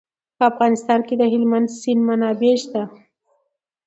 په افغانستان کې د هلمند سیند منابع شته.